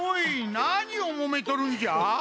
なにをもめとるんじゃ？